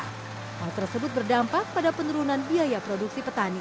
hal tersebut berdampak pada penurunan biaya produksi petani